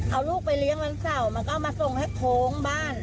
เอาลูกไปเลี้ยงวันเสาร์มันก็เอามาส่งให้โค้งบ้าน